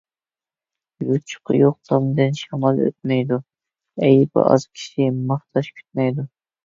يوچۇقى يوق تامدىن شامال ئۆتمەيدۇ، ئەيىبى ئاز كىشى ماختاش كۈتمەيدۇ.